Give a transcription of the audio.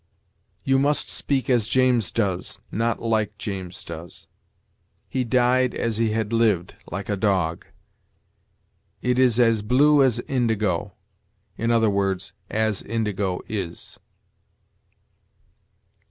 "You must speak as James does," not "like James does." "He died as he had lived, like a dog." "It is as blue as indigo"; i. e., "as indigo is."